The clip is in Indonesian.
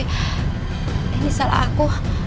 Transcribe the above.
ini salah aku